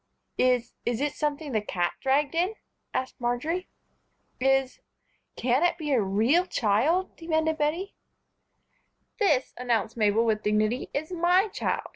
"Is is it something the cat dragged in?" asked Marjory. "Is can it be a real child?" demanded Bettie. "This," announced Mabel, with dignity, "is my child.